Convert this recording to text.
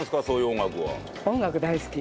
音楽大好き。